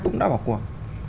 cũng đã bỏ cuộc